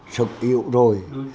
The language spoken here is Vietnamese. sức yếu rồi